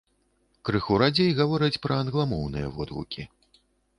Крыху радзей гавораць пра англамоўныя водгукі.